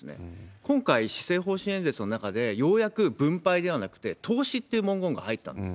今回、施政方針演説の中で、ようやく分配ではなくて、投資って文言が入ったんです。